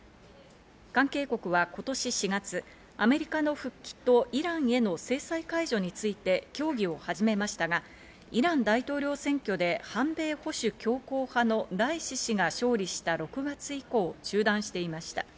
関係国は今年４月、アメリカの復帰とイランへの制裁解除について協議を始めましたがイラン大統領選挙で反米保守強硬派のライシ師が勝利した６月以降中断していました。